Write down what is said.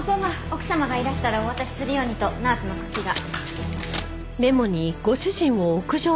奥様がいらしたらお渡しするようにとナースの九鬼が。